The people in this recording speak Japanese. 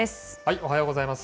おはようございます。